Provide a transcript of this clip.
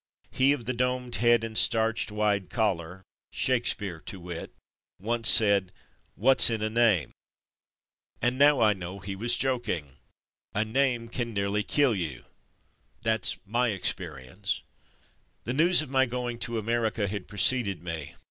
He of the domed head and starched, wide collar — Shake speare to wit — once said "What's in a name?'' and I now know he was joking. A name can nearly kill you, that's my experience. 300 From Mud to Mufti The news of my going to America had preceded me.